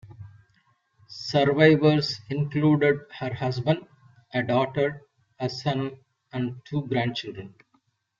Survivors included her husband, a daughter, a son, and two grandchildren.